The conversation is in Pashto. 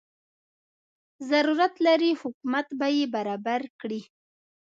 ضرورت لري حکومت به یې برابر کړي.